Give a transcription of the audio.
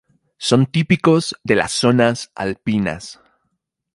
Son típicos de las zonas alpinas.